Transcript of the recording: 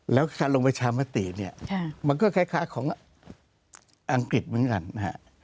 แล้วการลงประชามติเนี่ยมันก็คล้ายของอังกฤษเหมือนกันนะฮะ